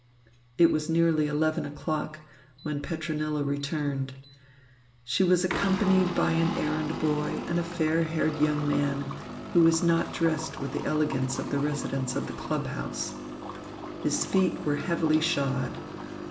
VI It was nearly eleven o'clock when Petronilla returned. She was accompanied by an errand boy and a fair haired young man, who was not dressed with the elegance of the residents of the club house. His feet were heavily shod.